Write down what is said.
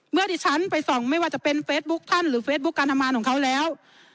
เมื่อที่ฉันไปส่องไม่ว่าจะเป็นเฟซบุ๊คท่านหรือเฟซบุ๊คการทำงานของเขาแล้ว